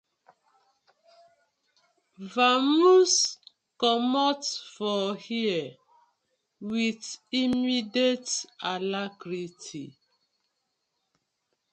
Vamoose comot for here with immediate alarcrity.